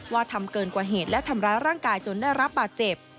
ทำเกินกว่าเหตุและทำร้ายร่างกายจนได้รับบาดเจ็บ